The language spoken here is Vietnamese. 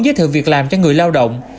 giới thiệu việc làm cho người lao động